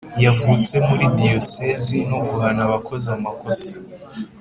yavutse muri Diyosezi no guhana abakoze amakosa